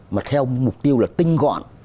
mà theo mục tiêu là tinh gọn